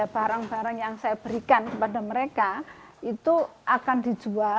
barang barang yang saya berikan kepada mereka itu akan dijual